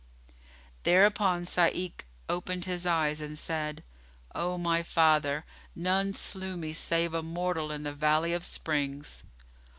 Thereupon Sa'ik opened his eyes and said, "O my father, none slew me save a mortal in the Valley of Springs."